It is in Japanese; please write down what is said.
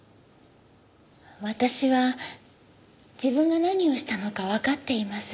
私は自分が何をしたのかわかっています。